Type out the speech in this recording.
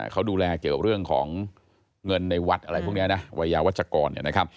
เขาดูแลเกี่ยวกับเรื่องของเงินในวัดอะไรพวกนี้วัยยาวัชกร